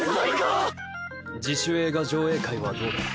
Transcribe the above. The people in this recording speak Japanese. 自主映画上映会はどうだ？